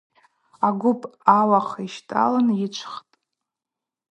Агвып ауахъ йщтӏалын йычвхтӏ.